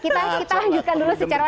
kita lanjutkan dulu secara